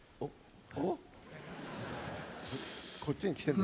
こっちに来てんです？